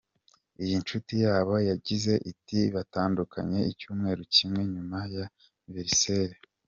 Iyi nshuti yabo yagize iti “Batandukanye icyumweru kimwe nyuma ya anniversaire.